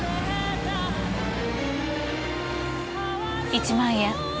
１万円。